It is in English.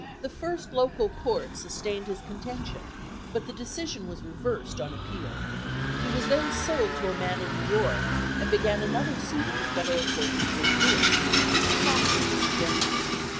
The first local court sustained his contention, but the de cision was reversed on appeal. He was then sold to a man in New York, and began another suit in the federal courts of St. Louis, which promptly ruled against him.